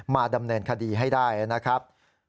มาดำเนินคดีให้ได้นะครับ